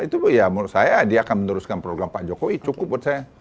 itu ya menurut saya dia akan meneruskan program pak jokowi cukup buat saya